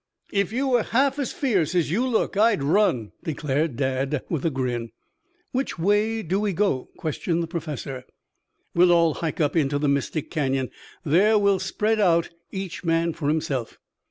"If you were half as fierce as you look I'd run," declared Dad, with a grin. "Which way do we go?" questioned the Professor. "We'll all hike up into the Mystic Canyon. There we'll spread out, each man for himself.